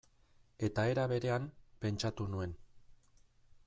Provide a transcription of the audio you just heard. Eta era berean, pentsatu nuen.